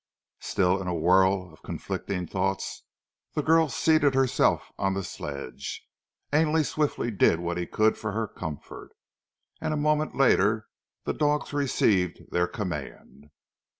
Still in a whirl of conflicting thoughts, the girl seated herself on the sledge, Ainley swiftly did what he could for her comfort, and a moment later the dogs received their command.